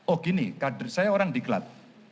oh gini kader saya orang diklat